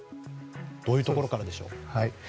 どういうところからでしょうか。